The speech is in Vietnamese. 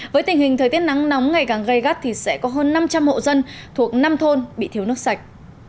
với tình hình thời tiết nắng nóng ngày càng gây gắt thì sẽ có hơn năm trăm linh hộ dân thuộc năm thôn bị thiếu nước sạch